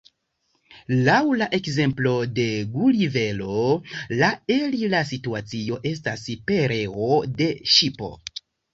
Laŭ la ekzemplo de Gulivero la elira situacio estas pereo de ŝipo.